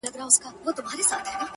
ستا په غوښو دي بلا توره مړه سي,